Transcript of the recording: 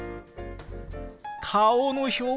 顔の表現！